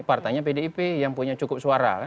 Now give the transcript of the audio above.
partainya pdip yang punya cukup suara